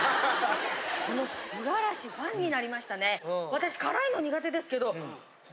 私辛いの苦手ですけど。